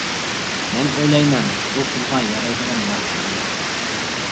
مەن ئويلايمەن: بۇ پۇلغا يارايدىغان نەرسە ئىدى.